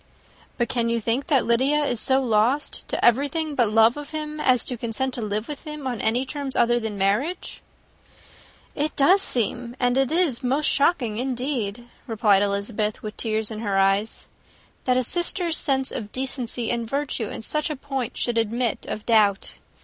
"But can you think that Lydia is so lost to everything but love of him, as to consent to live with him on any other terms than marriage?" "It does seem, and it is most shocking, indeed," replied Elizabeth, with tears in her eyes, "that a sister's sense of decency and virtue in such a point should admit of doubt.